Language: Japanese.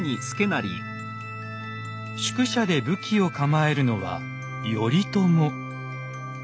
宿舎で武器を構えるのは頼朝。